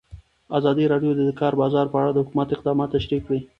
ازادي راډیو د د کار بازار په اړه د حکومت اقدامات تشریح کړي.